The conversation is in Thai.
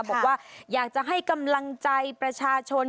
บอกว่าอยากจะให้กำลังใจประชาชน